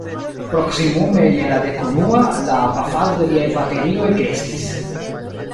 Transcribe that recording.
Proksimume je la dekunua, la pafado de liaj baterioj kreskis.